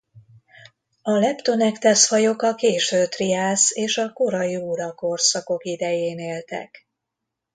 A Leptonectes-fajok a késő triász és a kora jura korszakok idején éltek.